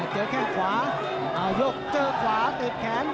เจอแค่งขวาโยกเจอขวาติดแขน